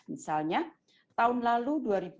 misalnya tahun lalu dua ribu dua puluh